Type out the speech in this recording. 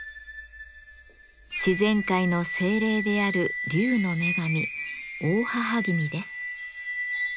自然界の精霊である竜の女神大妣君です。